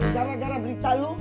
gara gara berita lu